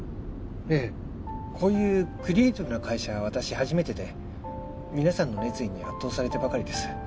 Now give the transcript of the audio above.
ええこういうクリエイティブな会社は私初めてで皆さんの熱意に圧倒されてばかりです